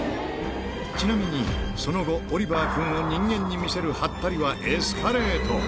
ちなみに、その後、オリバー君を人間に見せるハッタリはエスカレート。